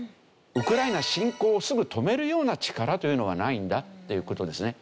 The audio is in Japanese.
ウクライナ侵攻をすぐ止めるような力というのはないんだという事ですね。